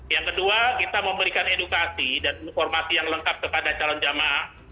yang kedua kita memberikan edukasi dan informasi yang lengkap kepada calon jamaah